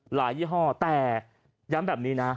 ยี่ห้อแต่ย้ำแบบนี้นะ